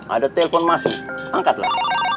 ada telpon masuk angkatlah